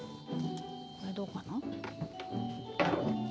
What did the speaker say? これどうかな？